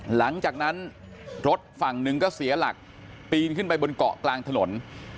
หลังจากนั้นรถฝั่งหนึ่งก็เสียหลักปีนขึ้นไปบนเกาะกลางถนน